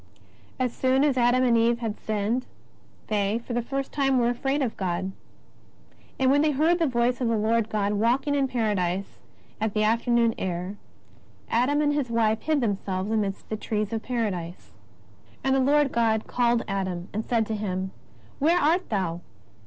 As soon as Adam and Eve had sinned, they, for the first time, were afraid of God. '^And when they heard the voice of the Lord God walking in Paradise at the afternoon air, Adam and his wife hid themselves amidst the trees of Paradise. And the Lord God called Adam, and said to him: Where art thou